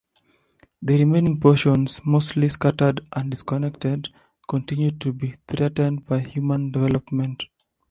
The remaining portions, mostly scattered and disconnected, continue to be threatened by human development.